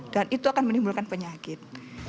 itu akan menimbulkan penyakit